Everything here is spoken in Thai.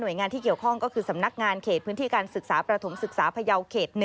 โดยงานที่เกี่ยวข้องก็คือสำนักงานเขตพื้นที่การศึกษาประถมศึกษาพยาวเขต๑